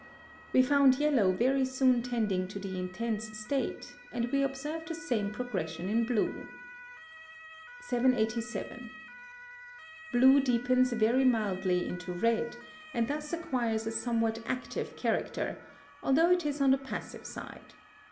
We found yellow very soon tending to the intense state, and we observe the same progression in blue. 787. Blue deepens very mildly into red, and thus acquires a somewhat active character, although it is on the passive side.